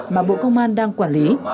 mà bộ công an đang quản lý